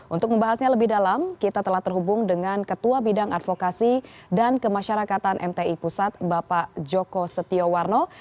untuk membahasnya lebih dalam kita telah terhubung dengan ketua bidang advokasi dan kemasyarakatan mti pusat bapak joko setiowarno